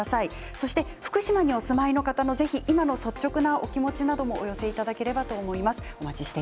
そして福島にお住まいの方もぜひ今の率直なお気持ちなどもお寄せいただければと思います。